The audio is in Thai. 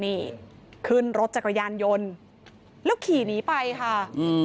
นี่ขึ้นรถจักรยานยนต์แล้วขี่หนีไปค่ะอืม